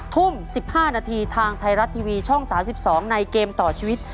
ทุ่ม๑๕นาทีทางไทยรัฐทีวีช่อง๓๒ในเกมต่อชีวิต